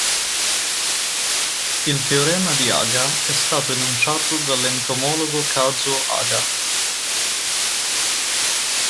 Il teorema di Haga è stato enunciato dall'entomologo Kazuo Haga.